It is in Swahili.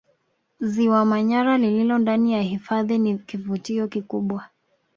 Ziwa Manyara lililo ndani ya hifadhi ni kivutio kikubwa